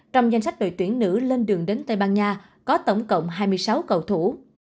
trong danh sách đội tuyển nữ lên đường đến tây ban nha có tổng cộng hai mươi sáu cầu thủ